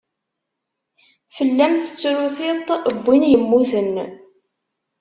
Fell-am tettru tiṭ n win yemmuten.